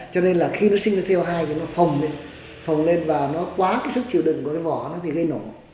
cho nên là khi nó sinh ra co hai thì nó phồng lên và nó quá cái sức chịu đựng của cái vỏ thì gây nổ